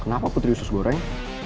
kenapa putri usus goreng